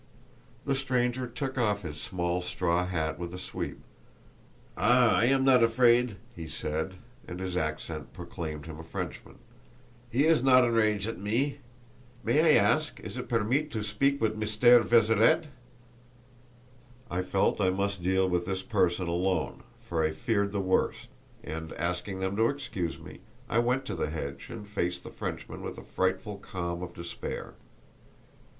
The stranger took off his small straw hat with a sweep. "Ah, I am not afraid," he said, and his accent proclaimed him a Frenchman; "he is not enrage at me. May I ask, it is pairmeet to speak viz Misterre Vezzered?" I felt I must deal with this person alone, for I feared the worst; and, asking them to excuse me, I went to the hedge and faced the Frenchman with the frightful calm of despair.